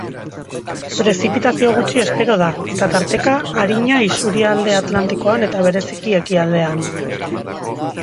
Prezipitazio gutxi espero da, eta tarteka arina isurialde atlantikoan eta bereziki ekialdean.